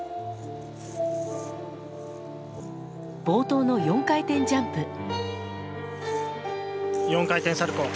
冒頭の４回転ジャンプ。